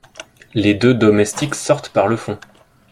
Les deux domestiques sortent par le fond.